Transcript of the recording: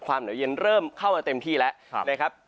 หนาวเย็นเริ่มเข้ามาเต็มที่แล้วนะครับ